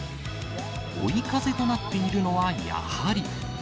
追い風となっているのはやはり。